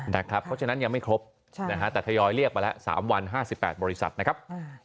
เพราะฉะนั้นยังไม่ครบแต่ทยอยเรียกมาแล้ว๓วัน๕๘บริษัทนะครับ